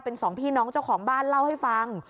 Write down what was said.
เป็นสองพี่น้องเจ้าของบ้านเล่าให้ฟัง